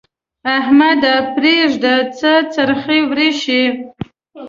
احمده! پرېږده يې؛ څه څرخی ورېشې.